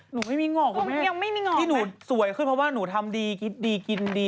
หนูไม่มีงอกที่หนูสวยขึ้นเพราะว่าหนูทำดีคิดดีกินดี